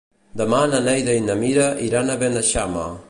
Demà na Neida i na Mira iran a Beneixama.